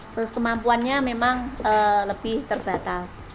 terus kemampuannya memang lebih terbatas